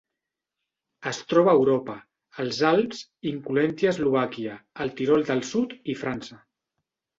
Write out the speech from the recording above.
Es troba a Europa: els Alps, incloent-hi Eslovàquia, el Tirol del Sud i França.